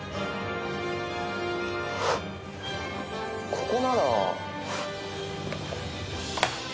ここなら。